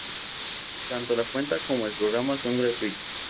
Tanto la cuenta como el programa son gratuitos.